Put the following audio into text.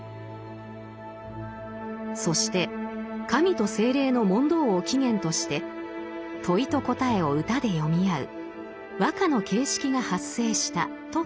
そして神と精霊の問答を起源として問いと答えを歌で詠み合う和歌の形式が発生したと説きました。